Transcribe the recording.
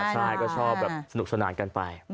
ใช่ก็ชอบแบบสนุกสนานกันไป